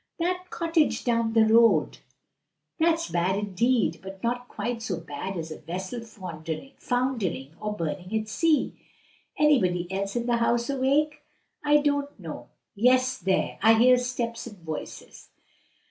"That cottage down the road." "That's bad indeed; but not quite so bad as a vessel foundering or burning at sea. Anybody else in the house awake?" "I don't know. Yes, there! I hear steps and voices."